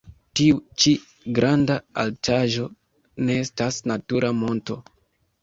Tiu ĉi granda altaĵo ne estas natura monto.